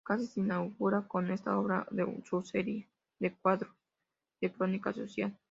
Casas inaugura con esta obra su serie de cuadros de crónica social.